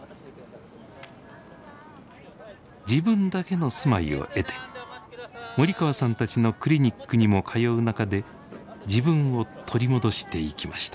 自分だけの住まいを得て森川さんたちのクリニックにも通う中で自分を取り戻していきました。